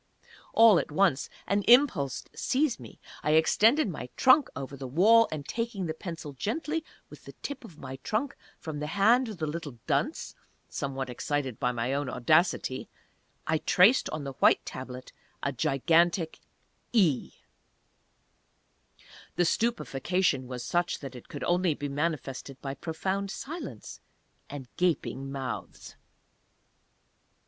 All at once an impulse seized me. I extended my trunk over the wall, and taking the pencil gently, with the tip of my trunk, from the hand of the little dunce (somewhat excited by my own audacity), I traced on the white Tablet a gigantic "E"!!!! The stupefaction was such that it could only be manifested by profound silence, and gaping mouths.